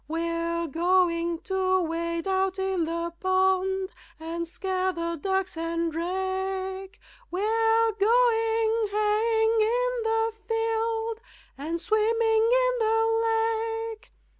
We're going to wade out in the pond And scare the ducks and drake, We're going haying in the field, And swimming in the lake.